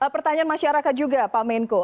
pertanyaan masyarakat juga pak menko